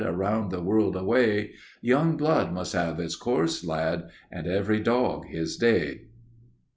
Around the world away! Young blood must have its course, lad, And every dog his day."